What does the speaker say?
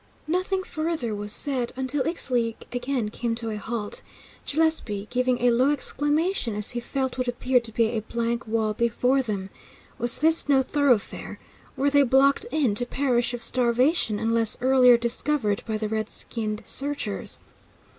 Nothing further was said until Ixtli again came to a halt, Gillespie giving a low exclamation as he felt what appeared to be a blank wall before them. Was this no thoroughfare? Were they blocked in, to perish of starvation, unless earlier discovered by the red skinned searchers?